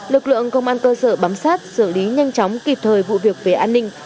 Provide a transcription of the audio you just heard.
lực lượng công an cơ sở bám sát xử lý nhanh chóng kịp thời vụ việc về an ninh